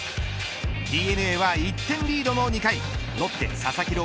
ＤｅＮＡは１点リードの２回ロッテ佐々木朗